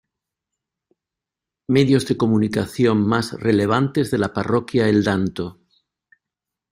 Medios de Comunicación Mas Relevantes de la Parroquia El Danto.